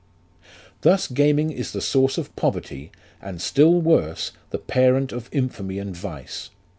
"Thus gaming is the source of poverty, and still worse, the parent of infamy and vice.